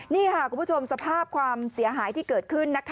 นี่ค่ะคุณผู้ชมสภาพความเสียหายที่เกิดขึ้น